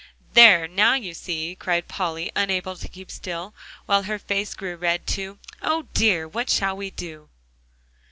"There, now you see," cried Polly, unable to keep still, while her face grew red too. "O dear! what shall we do?"